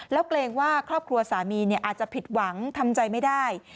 แล้วเกรงว่าครอบครัวสามีอาจจะผิดหวังทำใจไม่ได้